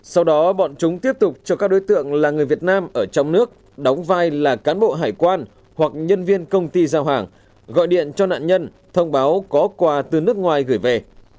sau đó bọn chúng tiếp tục cho các đối tượng là người việt nam ở trong nước đóng vai là cán bộ hải quan hoặc nhân viên công ty giao hàng gọi điện cho nạn nhân thông báo có quà từ nước ngoài gửi về